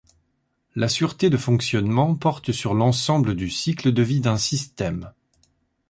La sûreté de fonctionnement porte sur l’ensemble du cycle de vie d’un système.